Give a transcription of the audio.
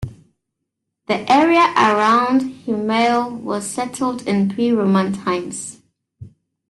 The area around Hemau was settled in pre-Roman times.